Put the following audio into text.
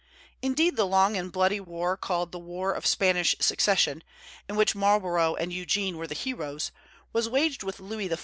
Indeed, the long and bloody war called the War of Spanish Succession, in which Marlborough and Eugene were the heroes, was waged with Louis XIV.